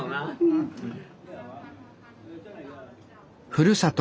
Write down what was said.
ふるさと